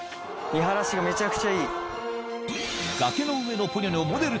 見晴らしがめちゃくちゃいい。